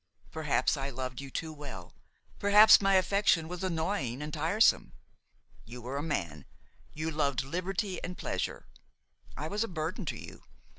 Perhaps I loved you too well, perhaps my affection was annoying and tiresome. You were a man, you loved liberty and pleasure. I was a burden to you.